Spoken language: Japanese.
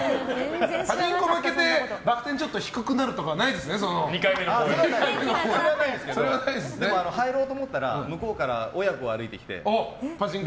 パチンコ負けてバク転低くなるとかはそれはないですけどでも入ろうとしたら向こうから親子が歩いてきて。